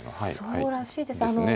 そうらしいです。